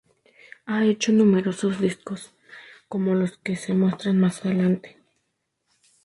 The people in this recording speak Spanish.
Ha hecho numerosos discos como los que se muestran más adelante.